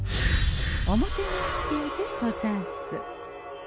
おもてなしティーでござんす。